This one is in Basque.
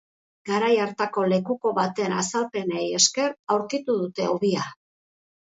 Garai hartako lekuko baten azalpenei esker aurkitu dute hobia.